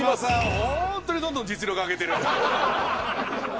ホントにどんどん実力上げてる。